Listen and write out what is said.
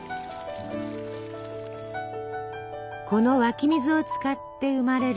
この湧き水を使って生まれる